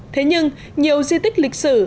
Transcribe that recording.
thế nhưng nhiều di tích lịch sử